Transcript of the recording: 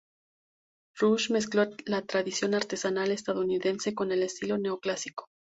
Rush mezcló la tradición artesanal estadounidense con el estilo neoclásico.